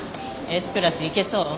Ｓクラスいけそう？